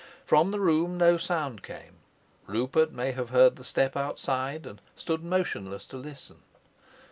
From the room no sound came; Rupert may have heard the step outside and stood motionless to listen.